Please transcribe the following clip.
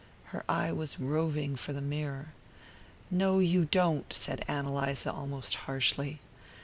Her eye was roving for the mirror. "No, you don't," said Ann Eliza almost harshly.